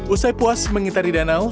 usai puas mengitari danau